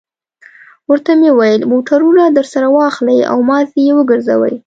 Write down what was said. ورته مې وویل: موټرونه درسره واخلئ او مازې یې وګرځوئ.